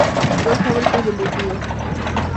Dos fábricas de embutidos.